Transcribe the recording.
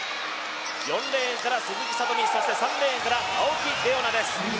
４レーンから鈴木聡美、３レーンから、青木玲緒樹です。